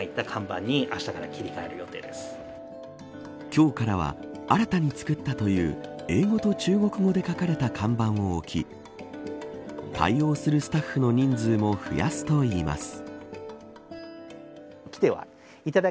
今日からは新たに作ったという英語と中国語で書かれた看板を置き対応するスタッフの人数も増やすといいます。